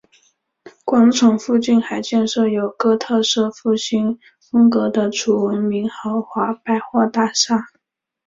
广场附近还建设有哥特式复兴风格的楚闻明豪华百货大厦。